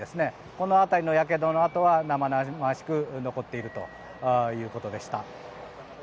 この辺りのやけどの痕は生々しく残っているということでした。